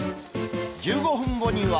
１５分後には。